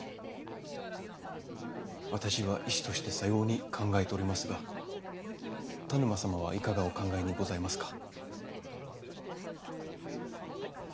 私は医師としてさように考えておりますが田沼様はいかがお考えにございますか？